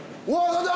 何だ？